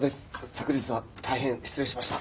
昨日は大変失礼しました。